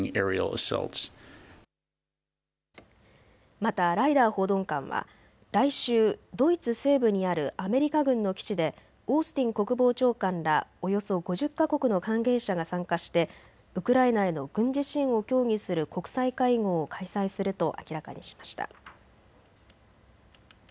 また、ライダー報道官は来週、ドイツ西部にあるアメリカ軍の基地でオースティン国防長官らおよそ５０か国の関係者が参加してウクライナへの軍事支援を協議する国際会合を開催すると明らかにしました。